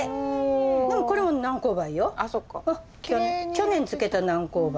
去年漬けた南高梅。